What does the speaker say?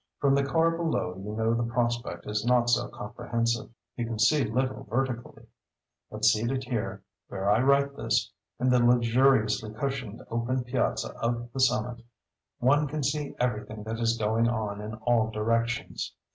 From the car below you know the prospect is not so comprehensive—you can see little vertically. But seated here (where I write this) in the luxuriously cushioned open piazza of the summit, one can see everything that is going on in all directions.